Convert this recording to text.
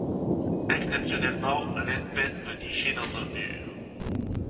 Exceptionnellement l’espèce peut nicher dans un mur.